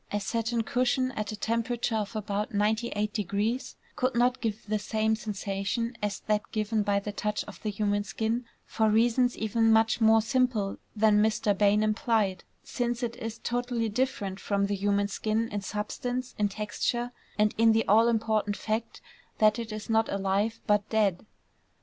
A satin cushion at a temperature of about 98° could not give the same sensation as that given by the touch of the human skin for reasons even much more simple than Mr. Bain implied, since it is totally different from the human skin in substance, in texture, and in the all important fact that it is not alive, but dead.